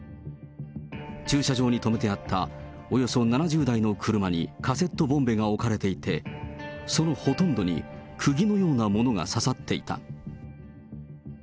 駐車場に止めてあったおよそ７０台の車にカセットボンベが置かれていて、そのほとんどにくぎのようなものが刺さっていた。